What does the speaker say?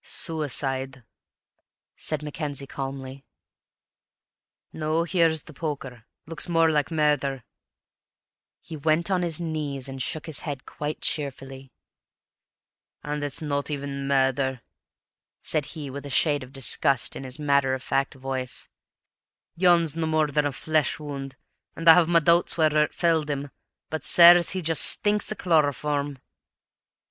"Suicide," said Mackenzie calmly. "No here's the poker looks more like murder." He went on his knees and shook his head quite cheerfully. "An' it's not even murder," said he, with a shade of disgust in his matter of fact voice; "yon's no more than a flesh wound, and I have my doubts whether it felled him; but, sirs, he just stinks o' chloryform!"